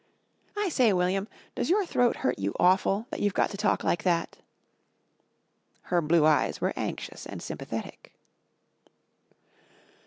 "I say, William, does your throat hurt you awful, that you've got to talk like that?" Her blue eyes were anxious and sympathetic.